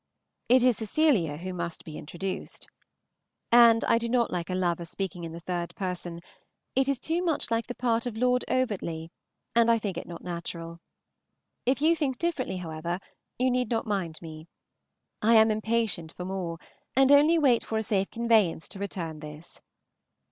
It is Cecilia who must be introduced. And I do not like a lover speaking in the 3rd person; it is too much like the part of Lord Overtley, and I think it not natural. If you think differently, however, you need not mind me. I am impatient for more, and only wait for a safe conveyance to return this.